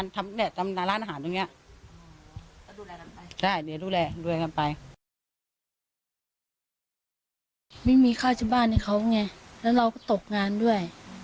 แล้วเราก็ตกงานด้วย